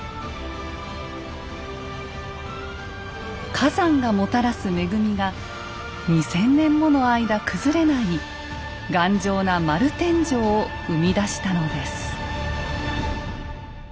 火山がもたらす恵みが２，０００年もの間崩れない頑丈な丸天井を生み出したのです。